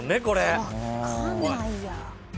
・分かんないや。